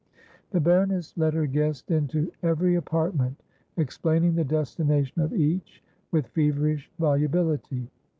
The baroness led her guest into every apartment, explaining the destination of each with feverish volubility.